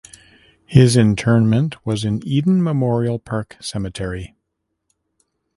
His interment was in Eden Memorial Park Cemetery.